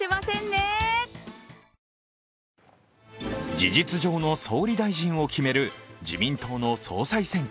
事実上の総理大臣を決める自民党の総裁選挙。